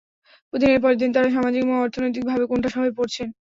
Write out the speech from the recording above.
দিনের পর দিন তারা সামাজিক এবং অর্থনৈতিক ভাবে কোণঠাসা হয়ে পড়েছেন।